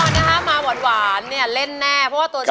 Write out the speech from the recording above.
แน่นอนมาหวานเห็นแน่เพราะตัวช่วย